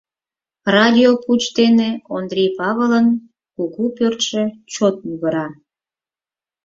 Радио пуч дене Ондрий Павылын кугу пӧртшӧ чот мӱгыра.